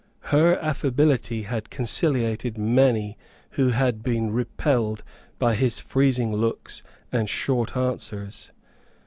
Her affability had conciliated many who had been repelled by his freezing looks and short answers.